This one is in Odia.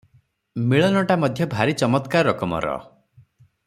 ମିଳନଟା ମଧ୍ୟ ଭାରି ଚମତ୍କାର ରକମର ।